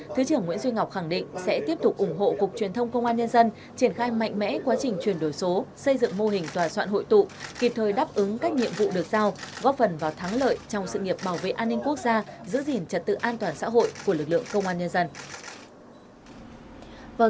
thứ trưởng nguyễn duy ngọc khẳng định sẽ tiếp tục ủng hộ cục truyền thông công an nhân dân triển khai mạnh mẽ quá trình chuyển đổi số xây dựng mô hình tòa soạn hội tụ kịp thời đáp ứng các nhiệm vụ được giao góp phần vào thắng lợi trong sự nghiệp bảo vệ an ninh quốc gia giữ gìn trật tự an toàn xã hội của lực lượng công an nhân dân